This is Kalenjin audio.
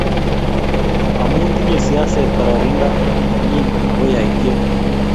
amu tinyei siaset gororonindo nenyi ako yaityet